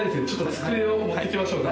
机を持ってきましょうか。